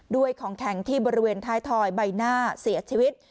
ของแข็งที่บริเวณท้ายถอยใบหน้าเสียชีวิต